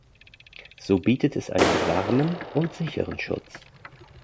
So bietet es einen warmen und sicheren Schutz.